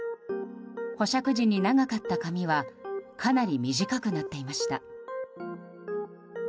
保釈時に長かった髪はかなり短くなっていました。